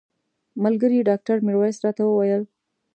ملګري ډاکټر میرویس راته وویل.